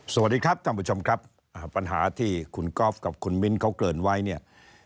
สวัสดีครับท่านผู้ชมครับปัญหาที่คุณก๊อฟกับคุณมิ้นเขาเกินไว้เนี่ย